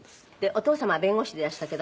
お父様は弁護士でいらっしゃるけど。